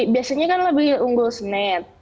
biasanya kan lebih unggul snat